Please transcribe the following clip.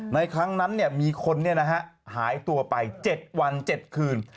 ในครั้งนั้นเนี่ยมีคนเนี่ยนะฮะหายตัวไป๗วัน๗คืน